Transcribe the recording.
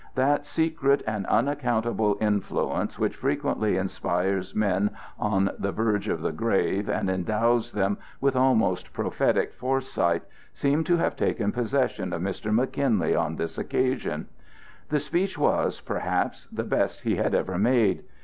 That secret and unaccountable influence which frequently inspires men on the verge of the grave and endows them with almost prophetic foresight seemed to have taken possession of Mr. McKinley on this occasion. The speech was, perhaps, the best he had ever made.